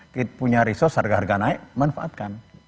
kita punya resource harga harga naik manfaatkan